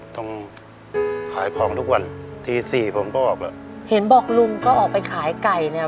ต้องขายของทุกวันตีสี่ผมก็ออกแล้วเห็นบอกลุงก็ออกไปขายไก่เนี่ย